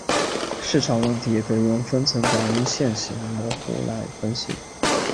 市场问题也可以用分层广义线性模型来分析。